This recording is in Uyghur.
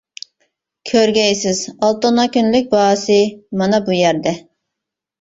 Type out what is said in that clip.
كۆرگەيسىز ئالتۇننىڭ كۈندىلىك باھاسى مانا بۇ يەردە!